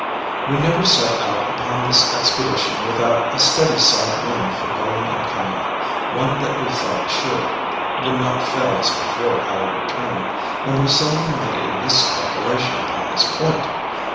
"We never set out upon this expedition without a steady side wind for going and coming one that we felt sure would not fail us before our return; and we seldom made a miscalculation upon this point.